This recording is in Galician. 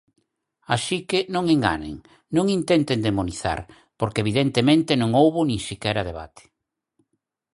Así que non enganen, non intenten demonizar, porque, evidentemente, non houbo nin sequera debate.